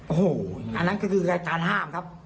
โอ้โหอันนั้นก็คือรายการห้ามครับ